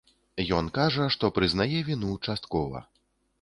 Ён кажа, што прызнае віну часткова.